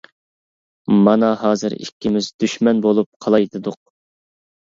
مانا ھازىر ئىككىمىز دۈشمەن بولۇپ قالاي دېدۇق.